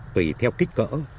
tùy theo kích cỡ